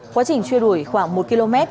quá trình truy đuổi khoảng một km